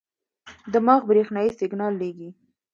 دماغ برېښنايي سیګنال لېږي.